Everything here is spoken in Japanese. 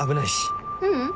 ううん。